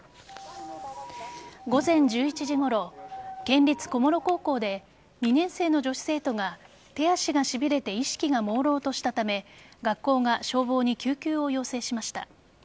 午前１１時ごろ、県立小諸高校で２年生の女子生徒が手足がしびれて意識がもうろうとしたため学校が消防に救急を要請しました。